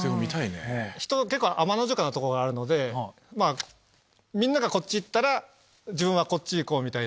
人は結構あまのじゃくなとこがあるのでみんながこっち行ったら自分はこっち行こうみたいな。